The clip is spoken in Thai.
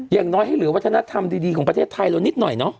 อย่างน้อยให้เหลือวัฒนธรรมดีของประเทศไทยเรานิดหน่อยเนาะ